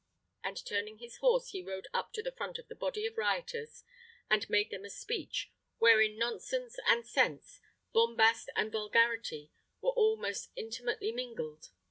And turning his horse, he rode up to the front of the body of rioters, and made them a speech, wherein nonsense and sense, bombast and vulgarity, were all most intimately mingled.